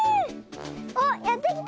おっやってきた！